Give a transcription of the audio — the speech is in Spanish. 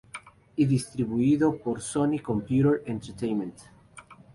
Y distribuido por Sony Computer Entertainment.